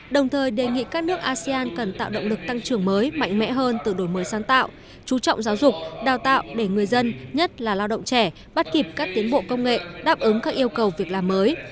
đồng thời đề nghị các nước asean cần tạo động lực tăng trưởng mới mạnh mẽ hơn từ đổi mới sáng tạo chú trọng giáo dục đào tạo để người dân nhất là lao động trẻ bắt kịp các tiến bộ công nghệ đáp ứng các yêu cầu việc làm mới